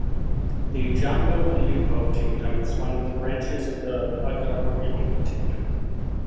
The Jambu Lipo Kingdom is one of the branches of the Pagaruyung kingdom.